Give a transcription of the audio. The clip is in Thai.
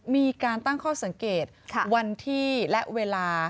มีการตั้งข้อสังเกตวันที่และเวลา